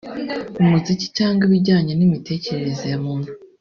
umuziki cyangwa ibijyanye n’imitekerereze ya muntu